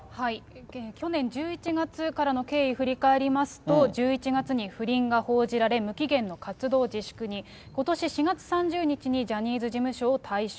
去年１１月からの経緯、振り返りますと、１１月に不倫が報じられ、無期限の活動自粛に。ことし４月３０日にジャニーズ事務所を退所。